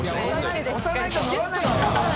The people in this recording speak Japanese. い押さないと乗らないのよ